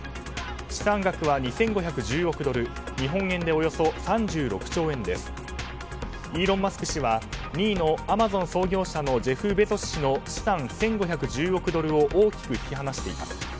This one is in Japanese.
資産額は２５１０億ドル日本円でおよそ３６兆円です。イーロン・マスク氏は２位のアマゾン創業者のジェフ・ベゾス氏の資産１５１０億ドルを大きく引き離しています。